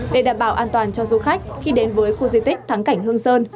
để đảm bảo an toàn cho du khách khi đến với khu di tích thắng cảnh hương sơn